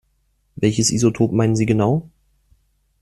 Welches Isotop meinen Sie genau?